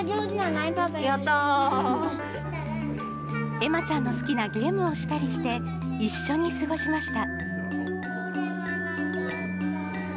恵麻ちゃんの好きなゲームをしたりして、一緒に過ごしました。